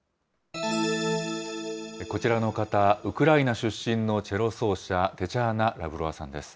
こちらの方、ウクライナ出身のチェロ奏者、テチャーナ・ラブロワさんです。